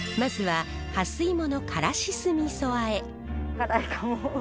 辛いかも。